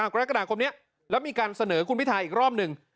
กรกฎาคมนี้แล้วมีการเสนอคุณพิทาอีกรอบหนึ่ง